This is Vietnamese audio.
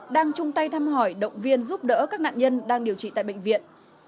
đang chung tay thăm hỏi động viên giúp đỡ các nạn nhân đang điều trị tại bệnh viện